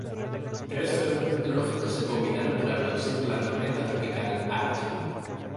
Tres fenómenos meteorológicos se combinaron para producir la tormenta tropical Allison.